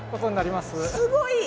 すごい！